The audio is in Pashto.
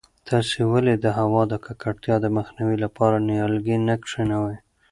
تاسې ولې د هوا د ککړتیا د مخنیوي لپاره نیالګي نه کښېنوئ؟